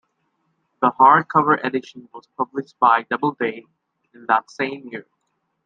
The hardcover edition was published by Doubleday in that same year.